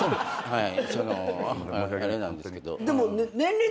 はい。